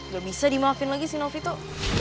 gak bisa dimaafin lagi si novi tuh